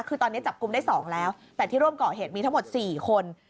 คือตอนนี้จับกลุ่มได้๒แล้วแต่ที่ร่วมก่อเหตุมีทั้งหมด๔คน